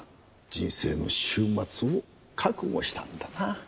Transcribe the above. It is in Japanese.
人生の終末を覚悟したんだな。